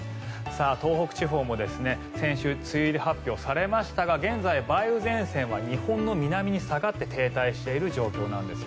東北地方も先週梅雨入り発表がされましたが現在、梅雨前線は日本の南に下がって停滞している状況なんです。